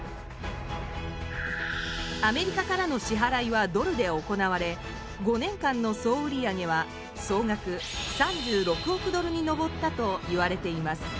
アメリカからのしはらいはドルで行われ５年間の総売り上げは総額３６億ドルに上ったといわれています。